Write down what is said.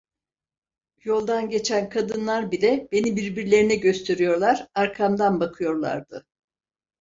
Yoldan geçen kadınlar bile beni birbirlerine gösteriyorlar, arkamdan bakıyorlardı.